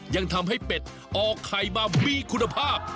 ยังทำให้เป็ดออกไข่มามีคุณภาพ